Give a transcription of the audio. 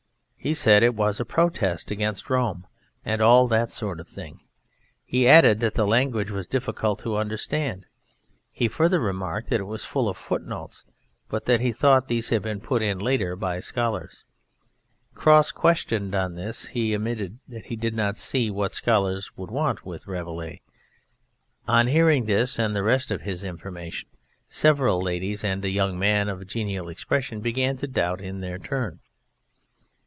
He said it was a protest against Rome and all that sort of thing. He added that the language was difficult to understand. He further remarked that it was full of footnotes, but that he thought these had been put in later by scholars. Cross questioned on this he admitted that he did not see what scholars could want with Rabelais. On hearing this and the rest of his information several ladies and a young man of genial expression began to doubt in their turn.